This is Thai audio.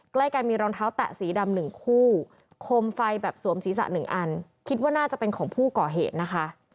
ใกล้กันมีรองเท้าแตะสีดำหนึ่งคู่คมไฟแบบสวมศีรษะ๑อันคิดว่าน่าจะเป็นของผู้ก่อเหตุนะคะ